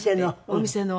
お店の？